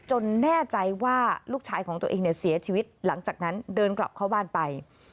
แน่ใจว่าลูกชายของตัวเองเนี่ยเสียชีวิตหลังจากนั้นเดินกลับเข้าบ้านไป